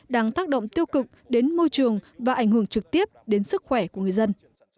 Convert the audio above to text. đang tác động tiêu cực đến môi trường và ảnh hưởng trực tiếp đến sức khỏe của người dân